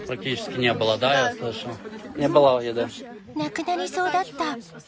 なくなりそうだった。